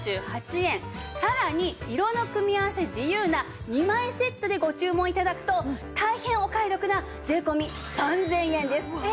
さらに色の組み合わせ自由な２枚セットでご注文頂くと大変お買い得な税込３０００円です。